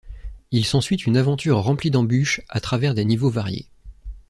Il s'ensuit une aventure remplie d'embuches à travers des niveaux variés.